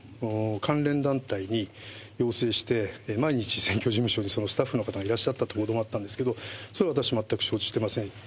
関連団体に要請して、毎日選挙事務所にそのスタッフの方がいらっしゃったという報道があったんですけれども、それは私は全く承知してません。